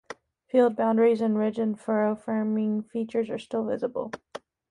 Field boundaries and ridge and furrow farming features are still visible.